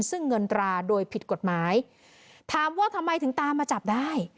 ซึ่งเงินตราโดยผิดกฎหมายถามว่าทำไมถึงตามมาจับได้